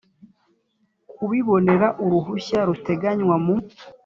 kubibonera uruhushya ruteganywa mu